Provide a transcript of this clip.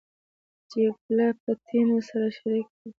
چې پوله، پټي مو سره شريک دي.